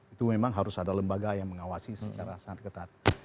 itu memang harus ada lembaga yang mengawasi secara sangat ketat